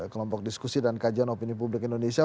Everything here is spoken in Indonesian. kelompok diskusi dan kajian opini publik indonesia